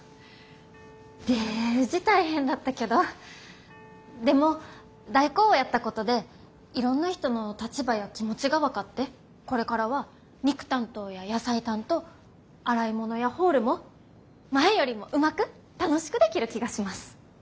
デージ大変だったけどでも代行をやったことでいろんな人の立場や気持ちが分かってこれからは肉担当や野菜担当洗い物やホールも前よりもうまく楽しくできる気がします。